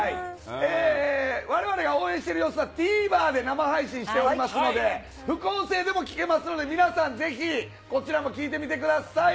われわれが応援してる様子は、ＴＶｅｒで生配信しておりますので、副音声でも聞けますので、皆さん、ぜひこちらも聞いてみてください。